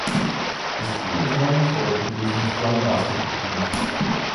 The school is known for producing strong basketball teams.